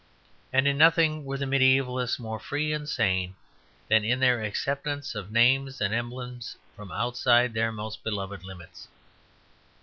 And in nothing were the mediævals more free and sane than in their acceptance of names and emblems from outside their most beloved limits.